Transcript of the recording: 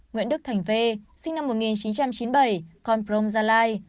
nguyễn đức thành vê sinh năm một nghìn chín trăm chín mươi bảy con prông gia lai